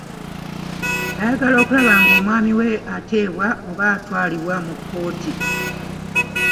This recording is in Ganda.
Ayagala okulaba ng'omwami we ateebwa oba atwalibwa mu kkooti.